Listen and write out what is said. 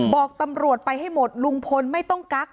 บอกตำรวจไปให้หมดลุงพลไม่ต้องกัก